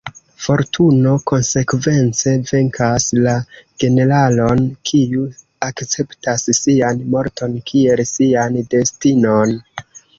Fortuno konsekvence venkas la generalon, kiu akceptas sian morton kiel sian destinon"".